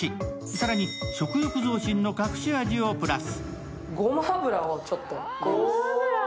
さらに食欲増進の隠し味をプラス。